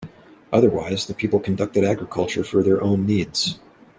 Otherwise, the people conducted agriculture for their own needs.